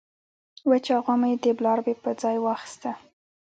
وچه غوا مې د بلاربې په ځای واخیسته.